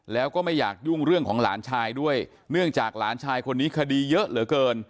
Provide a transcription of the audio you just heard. แล้วก็ไม่อยากยุ่งเรื่องของหลานชายด้วยเนื่องจากหลานชายคนนี้คดีเยอะเหลือเกิน